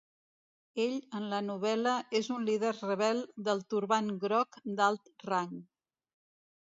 Ell en la novel·la és un líder rebel del Turbant Groc d'alt rang.